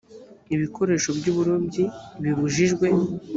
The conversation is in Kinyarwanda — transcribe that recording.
ibikoresho by uburobyi bibujijwe